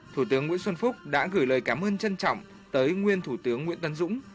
thủ tướng nguyễn xuân phúc đã gửi lời cảm ơn trân trọng tới nguyên thủ tướng nguyễn tân dũng